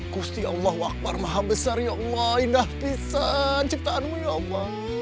kusti allah akbar maha besar ya allah indah pisang ciptaanmu ya allah